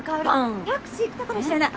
タクシー来たかもしれない。